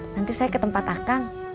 nanti saya ke tempat akang